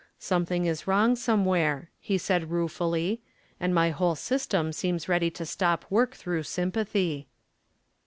"Something is wrong somewhere," he said, ruefully, "and my whole system seems ready to stop work through sympathy."